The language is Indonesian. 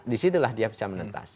disitulah dia bisa menentas